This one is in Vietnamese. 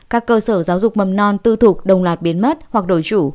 các cơ sở giáo dục mầm non tư thuộc đồng loạt biến mất hoặc đổi chủ